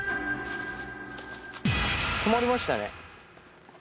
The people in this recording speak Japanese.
止まりましたね。